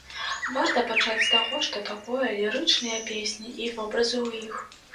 Варта пачаць з таго, што такое лірычныя песні і вобразы ў іх.